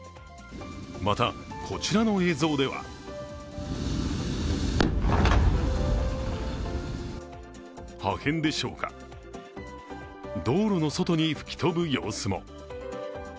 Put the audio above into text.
また、こちらの映像では破片でしょうか、道路の外に吹き飛ぶ様子も。